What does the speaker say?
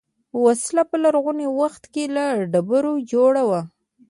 وسله په لرغوني وخت کې له ډبرو جوړه وه